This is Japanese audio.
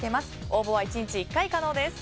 応募は１日１回可能です。